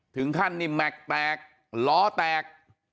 ถึงขั้นนี้แมคแตกล้อแตก